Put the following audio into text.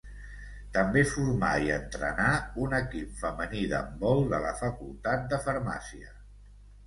També formà i entrenà un equip femení d'handbol de la Facultat de Farmàcia.